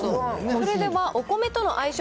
それではお米との相性